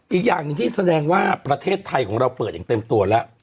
อีกอย่างหนึ่งที่แสดงว่าประเทศไทยของเราเปิดอย่างเต็มตัวแล้ว